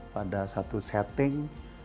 pada satu setting